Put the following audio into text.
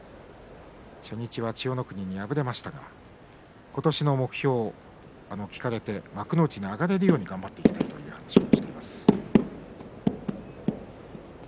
初日は千代の国に敗れましたが今年の目標を聞かれて幕内に上がれるように頑張っていきたいという話をしています。